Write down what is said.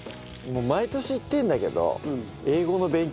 もう毎年言ってるんだけど。